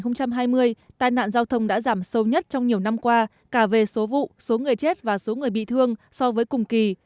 năm hai nghìn hai mươi tai nạn giao thông đã giảm sâu nhất trong nhiều năm qua cả về số vụ số người chết và số người bị thương so với cùng kỳ